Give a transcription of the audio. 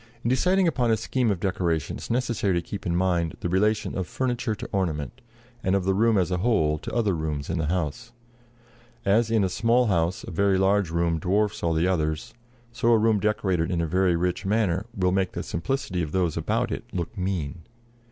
In deciding upon a scheme of decoration, it is necessary to keep in mind the relation of furniture to ornament, and of the room as a whole to other rooms in the house. As in a small house a very large room dwarfs all the others, so a room decorated in a very rich manner will make the simplicity of those about it look mean.